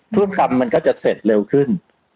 ทุกคำมันก็จะเสร็จเร็วขึ้น